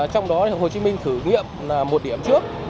trong đó hồ chí minh thử nghiệm là một điểm trước